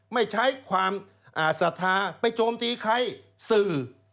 ไม่ใช้ความศรัทธาไปโจมตีใครสื่อ